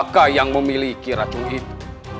maka yang memiliki racun itu